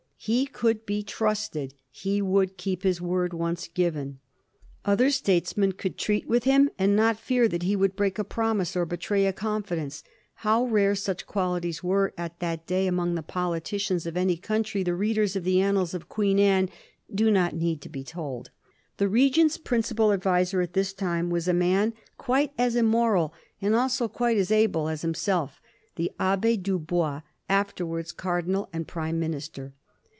He could be trusted ; he would keep his word, once given. Other statesmen could treat with him, and not fear that he would break a promise or betray a confidence. How rare such qualities were at that day among the politicians of Digiti zed by Google 204 A HISTORY OF THE FOUB GEORGES. ch. ix. Any country the readers of the annals of Queen Anne •do not need to be told. The Regent's principal adviser at this time was a man quite as immoral, and also quite as able, as himself — the Abb6 Dubois, after wards Cardinal and Prime Minister.